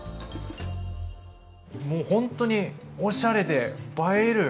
もうほんとにおしゃれで映える。